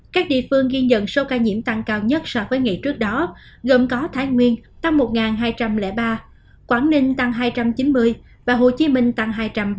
các địa phương ghi nhận số ca nhiễm tăng cao nhất so với ngày trước đó gồm có thái nguyên tăng một hai trăm linh ba quảng ninh tăng hai trăm chín mươi và hồ chí minh tăng hai trăm ba mươi tám